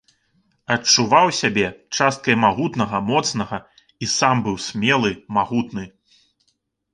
Адчуваў сябе часткай магутнага, моцнага і сам быў смелы, магутны.